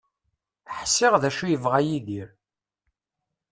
Ḥṣiɣ d acu yebɣa Yidir.